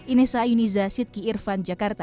ines ayuniza siti irfan jakarta